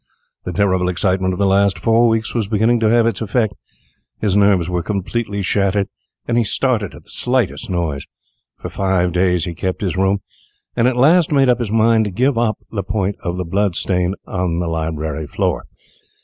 The terrible excitement of the last four weeks was beginning to have its effect. His nerves were completely shattered, and he started at the slightest noise. For five days he kept his room, and at last made up his mind to give up the point of the blood stain on the library floor.